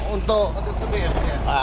untuk sopir iya